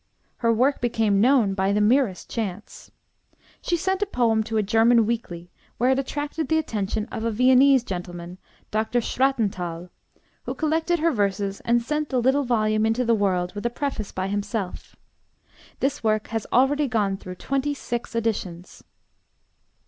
Her work became known by the merest chance. She sent a poem to a German weekly, where it attracted the attention of a Viennese gentleman, Dr. Schrattenthal, who collected her verses and sent the little volume into the world with a preface by himself. This work has already gone through twenty six editions.